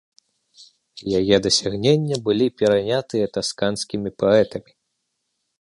Яе дасягнення былі перанятыя тасканскімі паэтамі.